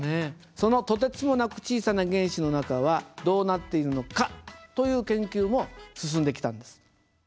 そのとてつもなく小さな原子の中はどうなっているのかという研究も進んできたんです。